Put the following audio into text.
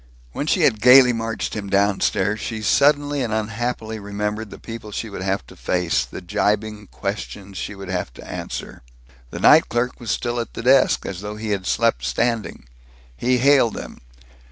When she had gaily marched him downstairs, she suddenly and unhappily remembered the people she would have to face, the gibing questions she would have to answer. The night clerk was still at the desk, as though he had slept standing. He hailed them.